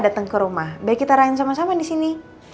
dateng ke rumah biar kita rahiin sama sama disini